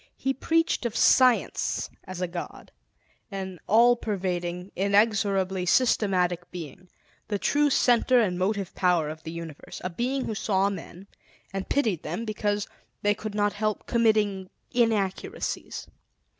He preached of Science as God, an all pervading, inexorably systematic Being, the true Center and Motive Power of the Universe; a Being who saw men and pitied them because they could not help committing inaccuracies.